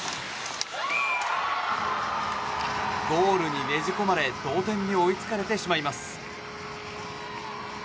ゴールにねじ込まれ同点に追いつかれてしまいます。